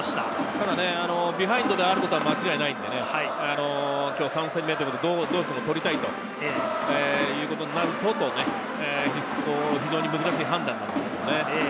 ただビハインドであることは間違いないので、今日３戦目ということで、どうしても取りたいということになると、非常に難しい判断です。